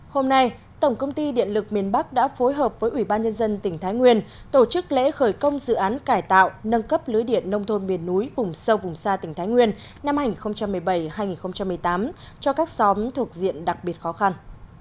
hôm nay tổng công ty điện lực miền bắc đã phối hợp với ủy ban nhân dân tỉnh thái nguyên tổ chức lễ khởi công dự án cải tạo nâng cấp lưới điện nông thôn miền núi vùng sâu vùng xa tỉnh thái nguyên năm hai nghìn một mươi bảy hai nghìn một mươi tám cho các xóm thuộc diện đặc biệt khó khăn